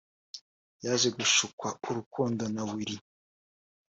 waje gushukwa urukundo na ‘Willy’